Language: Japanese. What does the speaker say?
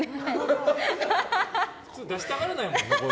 普通出したがらないもんね。